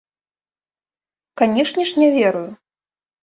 Канешне ж, не верую.